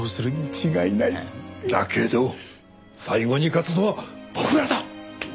だけど最後に勝つのは僕らだ！